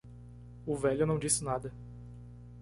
O velho não disse nada.